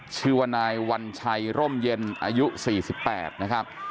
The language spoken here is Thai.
ชื่อว่านายวัญชัยร่มเย็นอายุสี่สิบแปดนะครับ